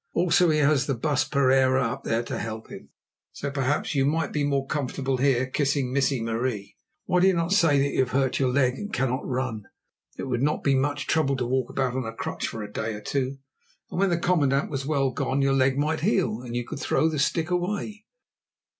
Also he has the Baas Pereira up there to help him. So perhaps you might be more comfortable here kissing Missie Marie. Why do you not say that you have hurt your leg and cannot run? It would not be much trouble to walk about on a crutch for a day or two, and when the commandant was well gone, your leg might heal and you could throw the stick away."